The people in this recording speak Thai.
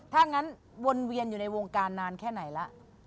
ถ้างั้นวนเวียนอยู่ในวงการนานแค่ไหนละ